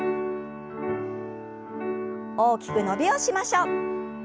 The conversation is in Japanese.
大きく伸びをしましょう。